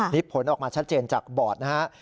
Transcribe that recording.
นี่ผลออกมาชัดเจนจากบอร์ดนะฮะ